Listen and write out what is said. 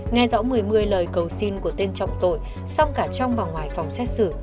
nghe rõ một mươi lời cầu xin của tên trọng tội song cả trong và ngoài phòng xét xử